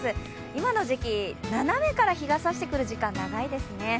今の時期、斜めから日がさしてくる時間長いですね。